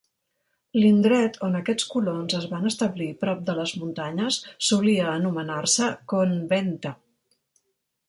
L'indret on aquests colons es van establir prop de les muntanyes solia anomenar-se Conventa.